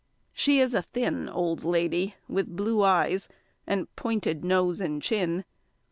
She is a thin old lady, with blue eyes, and pointed nose and chin.